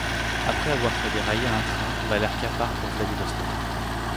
Après avoir fait dérailler un train, Valerka part pour Vladivostok.